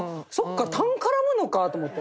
かたん絡むのかと思って。